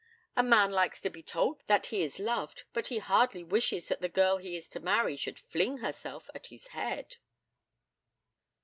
A man likes to be told that he is loved, but he hardly wishes that the girl he is to marry should fling herself at his head!